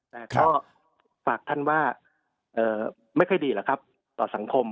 แต่ก็ฝากท่านว่าไม่ค่อยดีหรอกครับต่อสังคม